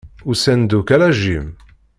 Usan-d akk, ala Jim.